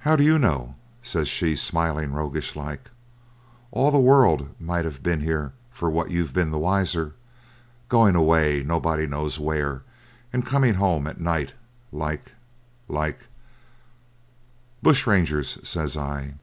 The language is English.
'How do you know?' says she, smiling roguish like. 'All the world might have been here for what you'd been the wiser going away nobody knows where, and coming home at night like like ' 'Bush rangers,' says I.